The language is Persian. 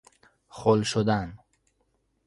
خل شدن